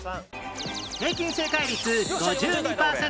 平均正解率５２パーセント